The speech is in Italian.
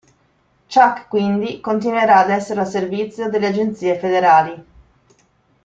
Chuck quindi continuerà ad essere al servizio delle agenzie federali.